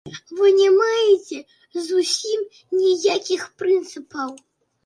Вы не маеце зусім ніякіх прынцыпаў.